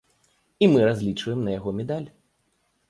І мы разлічваем на яго медаль.